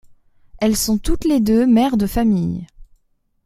Elles sont toutes les deux mères de famille.